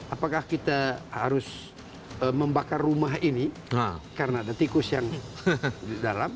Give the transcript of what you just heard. apakah kita harus membakar rumah ini karena ada tikus yang di dalam